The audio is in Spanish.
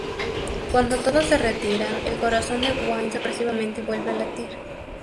Cuando todos se retiran, el corazón de Wayne sorpresivamente vuelve a latir.